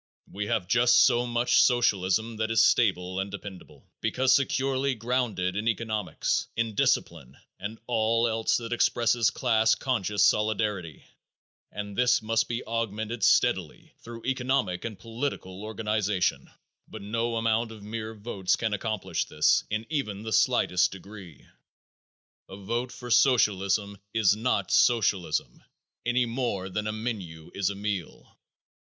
We have just so much socialism that is stable and dependable, because securely grounded in economics, in discipline and all else that expresses class conscious solidarity, and this must be augmented steadily through economic and political organization, but no amount of mere votes can accomplish this in even the slightest degree. A vote for socialism is not socialism any more than a menu is a meal.